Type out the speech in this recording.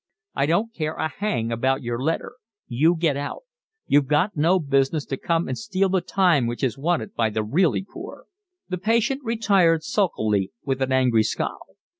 "I don't care a hang about your letter; you get out. You've got no business to come and steal the time which is wanted by the really poor." The patient retired sulkily, with an angry scowl.